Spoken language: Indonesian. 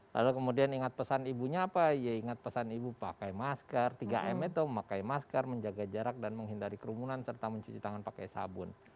lalu kemudian ingat pesan ibunya apa ya ingat pesan ibu pakai masker tiga m itu memakai masker menjaga jarak dan menghindari kerumunan serta mencuci tangan pakai sabun